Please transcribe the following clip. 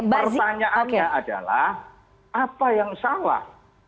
pertanyaannya adalah apa yang salah